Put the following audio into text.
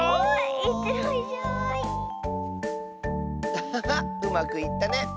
アハハうまくいったね！